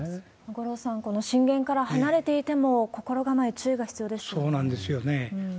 五郎さん、この震源から離れていても、心構え、そうなんですよね。